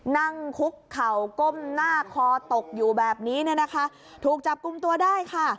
นั่งคุกเข่าก้มหน้าคอตกอยู่แบบนี้เนี่ยนะคะถูกจับกลุ่มตัวได้ค่ะ